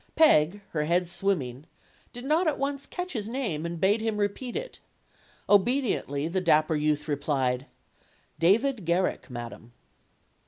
Peg, her head swimming, did not at once catch his name and bade him repeat it. Obediently, the dapper youth replied: "David Garrick, madam."